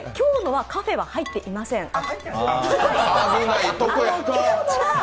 今日のにはカフェは入っていません。